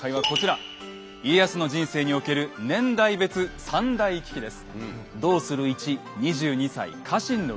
家康の人生における年代別３大危機です。